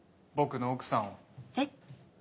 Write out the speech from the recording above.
僕の奥さんをえっ？